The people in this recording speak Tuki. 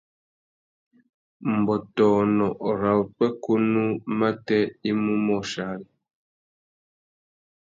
Mbõtônô râ upwêkunú matê i mú môchia ari.